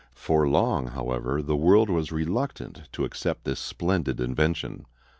For long, however, the world was reluctant to accept this splendid invention.